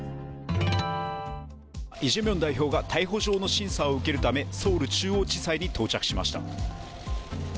イ・ジェミョン代表が、逮捕状の審査を受けるため、ソウル中央地裁に到着しました。